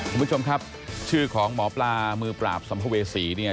คุณผู้ชมครับชื่อของหมอปลามือปราบสัมภเวษีเนี่ย